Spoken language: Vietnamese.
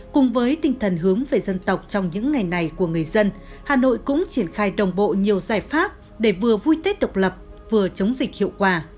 cùng với tinh thần hướng về dân tộc trong những ngày này của người dân hà nội cũng triển khai đồng bộ nhiều giải pháp để vừa vui tết độc lập vừa chống dịch hiệu quả